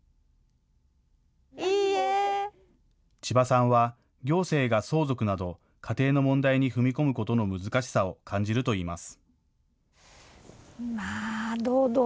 千葉さんは行政が相続など家庭の問題に踏み込むことの難しさを感じるといいます。